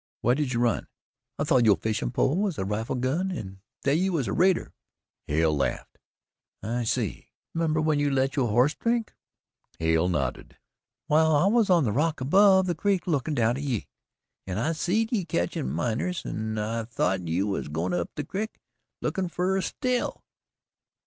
"Why did you run?" "I thought yo' fishin' pole was a rifle gun an' that you was a raider." Hale laughed "I see." "'Member when you let yo' horse drink?" Hale nodded. "Well, I was on a rock above the creek, lookin' down at ye. An' I seed ye catchin' minners an' thought you was goin' up the crick lookin' fer a still."